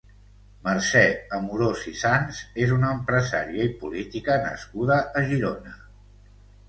Mercè Amorós i Sans és una empresària i política nascuda a Girona.